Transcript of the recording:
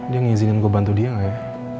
dia ngizinin gue bantu dia gak ya